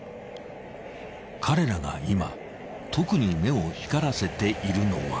［彼らが今特に目を光らせているのは］